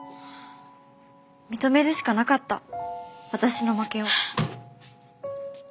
認めるしかなかった私の負けを。